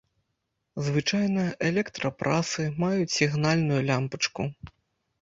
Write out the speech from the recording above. Звычайна электрапрасы маюць сігнальную лямпачку.